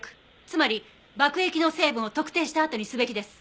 つまり爆液の成分を特定したあとにすべきです。